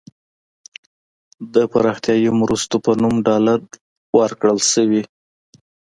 د پراختیايي مرستو په نوم ډالر ورکړل شوي.